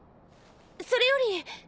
それより。